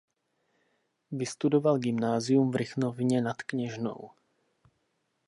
Vystudoval gymnázium v Rychnově nad Kněžnou.